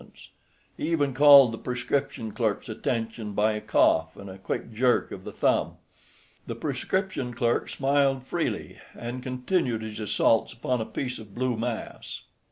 He even called the prescription clerk's attention by a cough and a quick jerk of the thumb. The prescription clerk smiled freely, and continued his assaults upon a piece of blue mass.